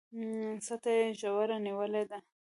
څټه يې ژوره نيولې ده